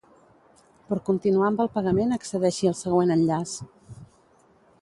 Per continuar amb el pagament accedeixi al següent enllaç:.